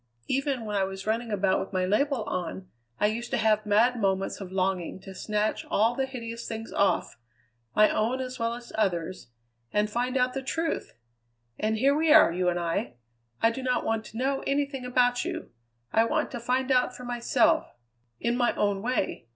Even when I was running about with my label on I used to have mad moments of longing to snatch all the hideous things off my own as well as others and find out the truth! And here we are, you and I! I do not want to know anything about you; I want to find out for myself, in my own way.